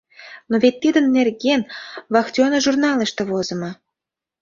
Но вет тидын нерген вахтенный журналыште возымо.